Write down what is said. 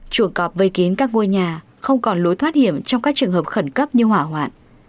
chuồng cọp vây kín các ngôi nhà không còn lối thoát hiểm trong các trường hợp khẩn cấp như hỏa hoạn